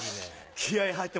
気合入ってる。